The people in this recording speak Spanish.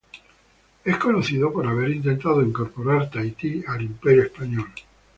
Es conocido por haber intentado incorporar Tahití al Imperio español.